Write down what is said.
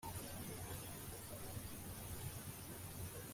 Yamusabye kuguma ariko byabaye ngombwa ko ajya ku kazi